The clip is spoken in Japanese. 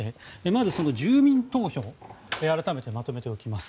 まず、その住民投票改めてまとめておきます。